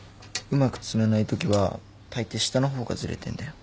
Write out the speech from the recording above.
うまく積めないときはたいてい下の方がずれてんだよ。